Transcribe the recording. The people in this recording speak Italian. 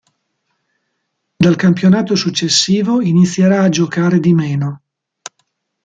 Dal campionato successivo inizierà a giocare di meno.